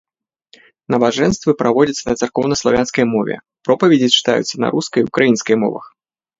Набажэнствы праводзяцца на царкоўнаславянскай мове, пропаведзі чытаюцца на рускай і ўкраінскай мовах.